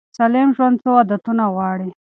سالم ژوند څو عادتونه غواړي.